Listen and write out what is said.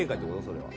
それは。